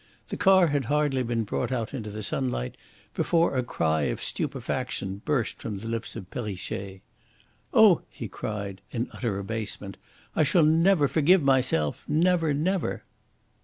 The car had hardly been brought out into the sunlight before a cry of stupefaction burst from the lips of Perrichet. "Oh!" he cried, in utter abasement. "I shall never forgive myself never, never!"